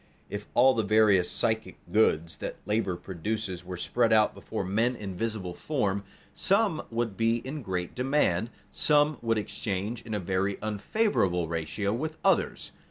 _ If all the various psychic goods that labor produces were spread out before men in visible form, some would be in great demand, some would exchange in a very unfavorable ratio with others.